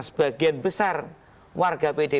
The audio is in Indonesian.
sebagian besar warga pdi